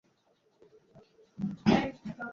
কী বলতেসে, ভাই ও?